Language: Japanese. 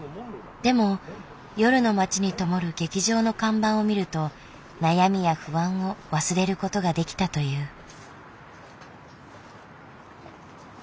でも夜の街にともる劇場の看板を見ると悩みや不安を忘れることができたという。